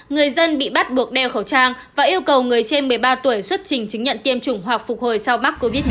người dân bị bắt buộc đeo khẩu trang và yêu cầu người trên một mươi ba tuổi xuất trình chứng nhận tiêm chủng hoặc phục hồi sau mắc covid một mươi chín